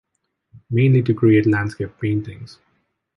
Mainly to create landscape paintings.